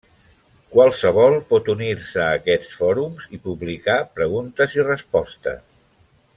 Qualsevol pot unir-se a aquests fòrums i publicar preguntes i respostes.